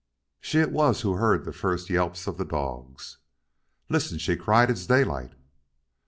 She it was who heard the first yelps of the dogs. "Listen!" she cried. "It's Daylight!"